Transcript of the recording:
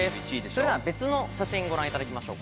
それでは別の写真をご覧いただきましょう。